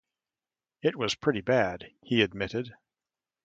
"It was pretty bad," he admitted.